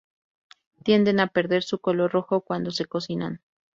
Tienden a perder su color rojo cuando se cocinan.